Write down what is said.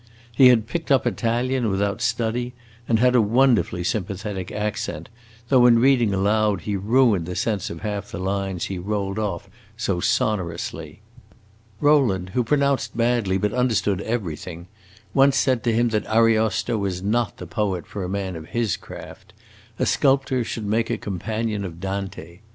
He had picked up Italian without study, and had a wonderfully sympathetic accent, though in reading aloud he ruined the sense of half the lines he rolled off so sonorously. Rowland, who pronounced badly but understood everything, once said to him that Ariosto was not the poet for a man of his craft; a sculptor should make a companion of Dante.